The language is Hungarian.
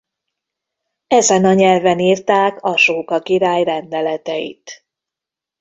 Ezen a nyelven írták Asóka király rendeletit.